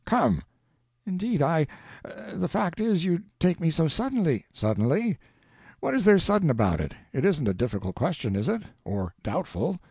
_ Come!" "Indeed, I—the fact is you take me so suddenly—" "Suddenly? What is there sudden about it? It isn't a difficult question is it? Or doubtful?